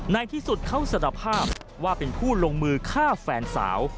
ในที่สุดเขาสารภาพว่าเป็นผู้ลงมือฆ่าแฟนสาว